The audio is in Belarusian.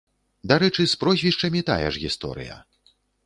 Дарэчы, з прозвішчамі тая ж гісторыя.